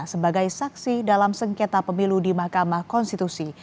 sebagai saksi dalam sengketa pemilu di mahkamah konstitusi